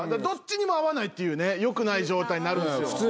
どっちにも合わないっていうねよくない状態になるんですよ。